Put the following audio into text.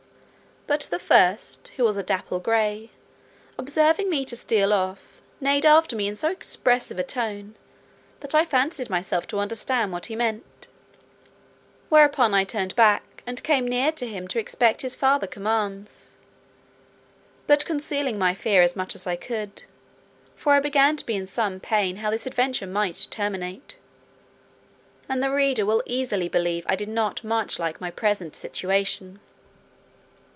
But the first, who was a dapple gray, observing me to steal off, neighed after me in so expressive a tone, that I fancied myself to understand what he meant; whereupon I turned back, and came near to him to expect his farther commands: but concealing my fear as much as I could, for I began to be in some pain how this adventure might terminate; and the reader will easily believe I did not much like my present situation.